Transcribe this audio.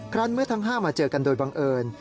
ครั้งเมื่อทั้ง๕มาเจอกันโดยบังเอิญ